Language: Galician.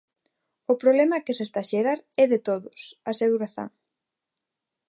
O problema que se está a xerar é de todos, asegura Zan.